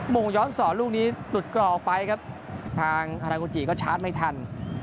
งงย้อนสอนลูกนี้หลุดกรอกออกไปครับทางฮานาโกจิก็ชาร์จไม่ทัน